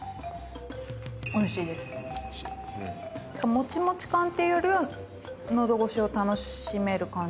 もちもち感っていうよりは喉越しを楽しめる感じ。